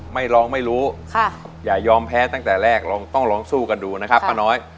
ไม่ร้องไม่รู้อย่ายอมแพ้ตั้งแต่แรกลองต้องลองสู้กันดูนะครับป้าน้อย